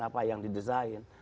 apa yang didesain